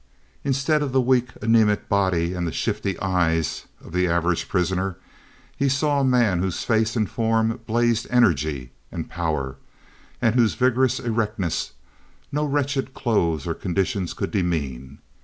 Instead of the weak, anaemic body and the shifty eyes of the average prisoner, he saw a man whose face and form blazed energy and power, and whose vigorous erectness no wretched clothes or conditions could demean.